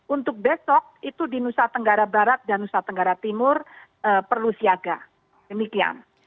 untuk besok itu di nusa tenggara barat dan nusa tenggara timur perlu siaga demikian